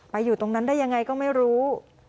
อยู่ตรงนั้นได้ยังไงก็ไม่รู้